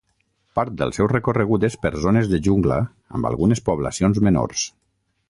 Part del seu recorregut és per zones de jungla amb algunes poblacions menors.